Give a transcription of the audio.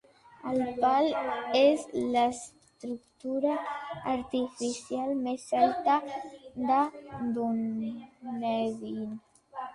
El pal és l'estructura artificial més alta de Dunedin.